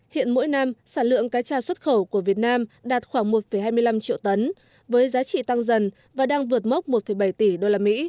hiện mỗi năm sản lượng cá tra xuất khẩu của việt nam đạt khoảng một hai mươi năm triệu tấn với giá trị tăng dần và đang vượt mốc một bảy tỷ usd